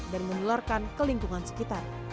dan menelurkan ke lingkungan sekitar